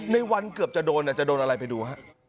ในวันเกือบจะโดนจะโดนอะไรไปดูฮะ